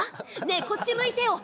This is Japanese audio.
ねえこっち向いてよ。